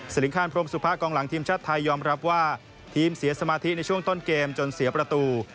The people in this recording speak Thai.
ลิงคารพรมสุภากองหลังทีมชาติไทยยอมรับว่าทีมเสียสมาธิในช่วงต้นเกมจนเสียประตู